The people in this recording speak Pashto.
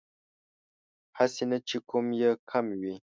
هسې نه چې کوم يې کم وي